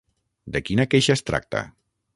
De quina queixa es tracta?